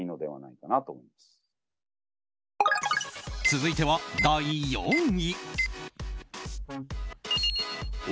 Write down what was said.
続いては第４位。